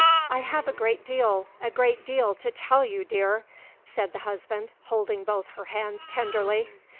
"I have a great deal a great deal to tell you, dear," said the husband, holding both her hands tenderly.